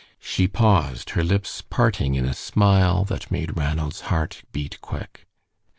She paused, her lips parting in a smile that made Ranald's heart beat quick.